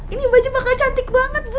ini baju bakal cantik banget bu